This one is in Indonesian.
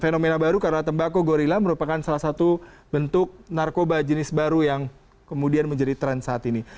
fenomena baru karena tembakau gorilla merupakan salah satu bentuk narkoba jenis baru yang kemudian menjadi tren saat ini